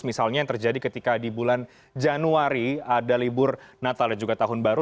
misalnya yang terjadi ketika di bulan januari ada libur natal dan juga tahun baru